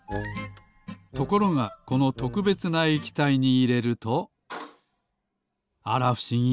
ところがこのとくべつな液体にいれるとあらふしぎ。